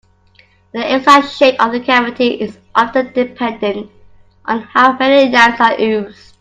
The exact shape of the cavity is often dependent on how many lamps are used.